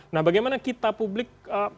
nah bagaimana kita publik